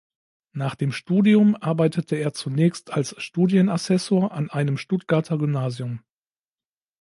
Nach dem Studium arbeitete er zunächst als Studienassessor an einem Stuttgarter Gymnasium.